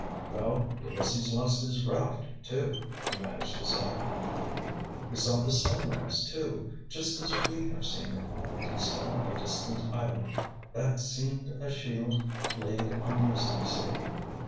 "Well, Ulysses lost his raft, too!" he managed to say. "He saw the sunrise, too, just as we have seen it; and he saw a distant island, 'that seemed a shield laid on the misty sea.'